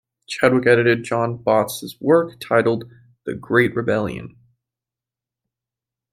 Chadwick edited John Botts' work titled "The Great Rebellion".